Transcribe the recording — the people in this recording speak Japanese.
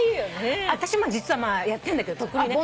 私も実はやってんだけどとっくにね。